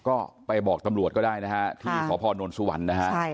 ก็ไปบอกตำรวจก็ได้นะฮะที่ขอพอนนท์สุวรรณนะฮะ